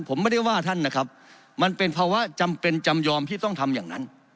ผมไม่ได้ว่าท่านนะครับมันเป็นภาวะจำเป็นจำยอมที่ต้องทำอย่างนั้น